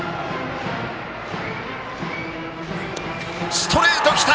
ストレート、来た！